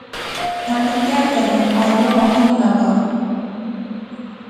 خالق کہہ کرے، فاروق آخنے لاغا